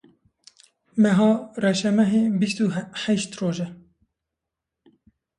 Meha reşemehê bîst û heşt roj e.